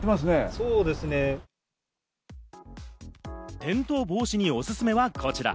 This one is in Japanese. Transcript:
転倒防止におすすめはこちら。